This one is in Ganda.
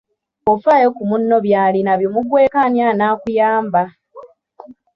Bwofaayo ku munno by'alina bimuggweko ani anaakuyamba?